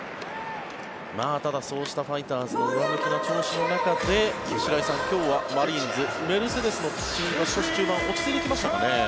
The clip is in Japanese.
ただ、そうしたファイターズ上向きの調子の中で白井さん、今日はマリーンズメルセデスのピッチングが少し中盤落ち着いてきましたかね。